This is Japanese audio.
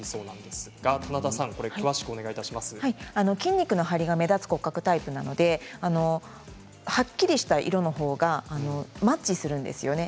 ストレートは筋肉の張りが目立つ骨格タイプなのではっきりした色のほうがマッチするんですね。